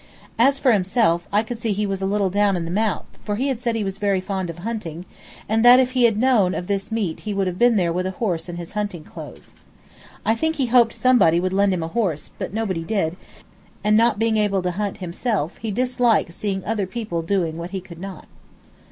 As for himself, I could see he was a little down in the mouth, for he said he was very fond of hunting, and that if he had known of this meet he would have been there with a horse and his hunting clothes. I think he hoped somebody would lend him a horse, but nobody did, and not being able to hunt himself he disliked seeing other people doing what he could not.